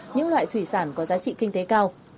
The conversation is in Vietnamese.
những loại thủy sản có giá trị kinh tế cao